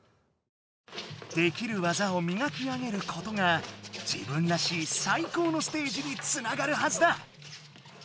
できる技をみがき上げることが自分らしいさい高のステージにつながるはずだ！